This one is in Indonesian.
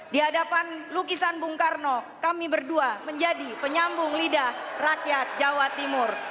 di hadapan lukisan bung karno kami berdua menjadi penyambung lidah rakyat jawa timur